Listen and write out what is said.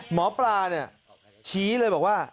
หมอปลาเนี่ยชี้เลยบอกว่า